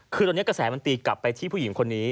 คือตอนนี้กระแสมันตีกลับไปที่ผู้หญิงคนนี้